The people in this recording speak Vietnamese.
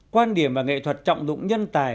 quan điểm và nghệ thuật trọng dụng nhân tài